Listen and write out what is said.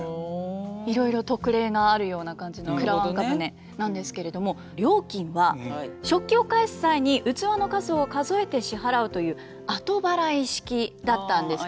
いろいろ特例があるような感じのくらわんか舟なんですけれども料金は食器を返す際に器の数を数えて支払うという後払い式だったんですけれども。